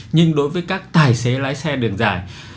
nhưng đối với các tài xế lái xe đường dài